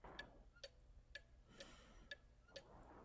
Este proceso seria uno que llamó de "domesticación".